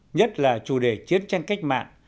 nhất là chủ đề chiến tranh cách mạng